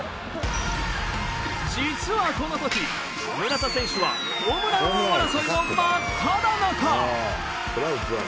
実はこの時村田選手はホームラン王争いの真っ只中！